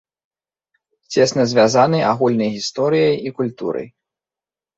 Цесна звязаны агульнай гісторыяй і культурай.